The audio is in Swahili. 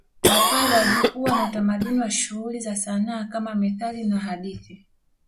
Wapare walikuwa na utamaduni wa shughuli za sanaa kama methali na hadithi